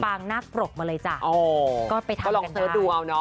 ปางน่ากรกมาเลยจ้ะอ๋อก็ไปทางกันด้วยก็ลองเสิร์ชดูเอาเนอะ